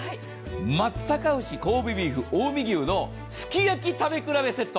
松阪牛、神戸ビーフ、近江牛、すき焼き食べ比べセット。